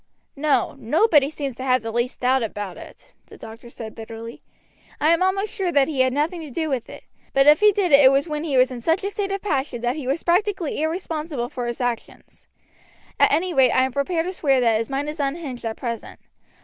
"No. Nobody seems to have the least doubt about it," the doctor said bitterly. "I am almost sure that he had nothing to do with it; but if he did it it was when he was in a state of such passion that he was practically irresponsible for his actions. At any rate, I am prepared to swear that his mind is unhinged at present.